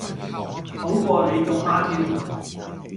好過你中孖 Q